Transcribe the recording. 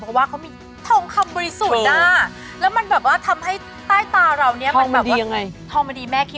เพราะว่าเขามีทองคำบริสุทธิ์อ่ะแล้วมันแบบว่าทำให้ใต้ตาเราเนี่ยมันแบบว่าทองมาดีแม่คิด